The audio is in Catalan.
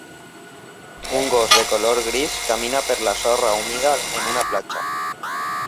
Un gos de color gris camina per la sorra humida en una platja.